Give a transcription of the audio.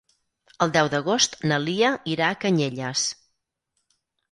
El deu d'agost na Lia irà a Canyelles.